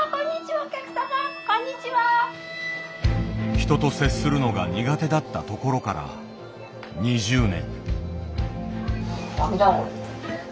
人と接するのが苦手だったところから２０年。